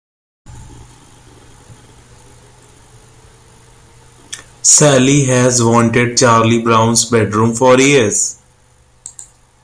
Sally has wanted Charlie Brown's bedroom for years.